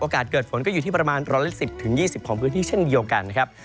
เกิดฝนก็อยู่ที่ประมาณ๑๑๐๒๐ของพื้นที่เช่นเดียวกันนะครับ